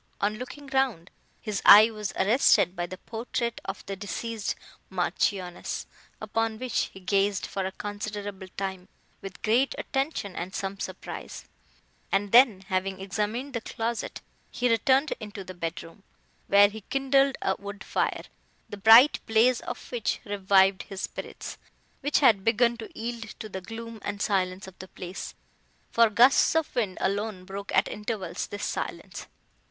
On looking round, his eye was arrested by the portrait of the deceased Marchioness, upon which he gazed for a considerable time with great attention and some surprise; and then, having examined the closet, he returned into the bedroom, where he kindled a wood fire, the bright blaze of which revived his spirits, which had begun to yield to the gloom and silence of the place, for gusts of wind alone broke at intervals this silence.